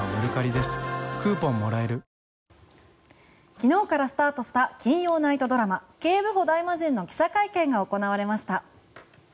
昨日からスタートした金曜ナイトドラマ「警部補ダイマジン」の記者会見が行われました。